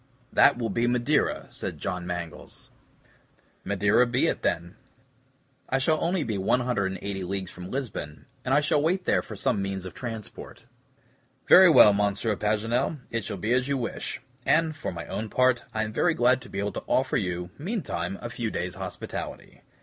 "That will be Madeira," said John Mangles. "Madeira be it then. I shall only be 180 leagues from Lisbon, and I shall wait there for some means of transport." "Very well, Monsieur Paganel, it shall be as you wish; and, for my own part, I am very glad to be able to offer you, meantime, a few days' hospitality.